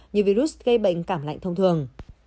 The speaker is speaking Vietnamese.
như virus gây bệnh cảm lạnh thông thường